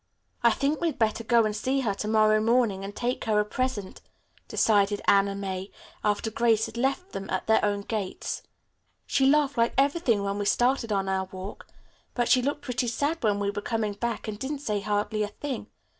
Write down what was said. "I think we'd better go and see her to morrow morning and take her a present," decided Anna May, after Grace had left them at their own gate. "She laughed like everything when we started on our walk, but she looked pretty sad when we were coming back and didn't say hardly a thing.